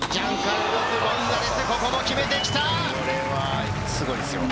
ジャンカルロス・ゴンザレス、今の決めてきた！